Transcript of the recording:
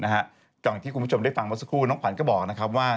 อย่างที่คุณผู้ชมได้ฟังเมื่อสักครู่น้องขวัญก็บอกนะครับว่า